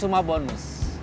dalam rangka menyambut lebah